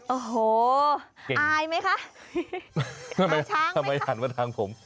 โอ้โหอายไหมคะห่างช้างไหมคะทำไมหันว่าทางผม